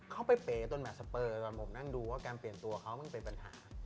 เขาไปเป๋ตรงแมทสเปอร์ตอนผมนั่งดูว่าการเปลี่ยนตัวเขามันเป็นปัญหา